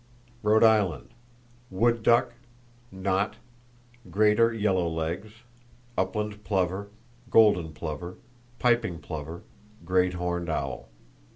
Rhode Island: Wood duck, knot, greater yellow legs, upland plover, golden plover, piping plover, great horned owl.